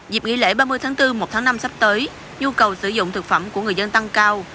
dịp nghỉ lễ ba mươi tháng bốn một tháng năm sắp tới nhu cầu sử dụng thực phẩm của người dân tăng cao